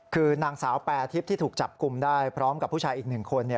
คือนางสาวแปรทิพย์ที่ถูกจับกลุ่มได้พร้อมกับผู้ชายอีก๑คน